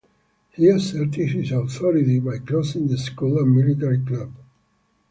He asserted his authority by closing the school and military club.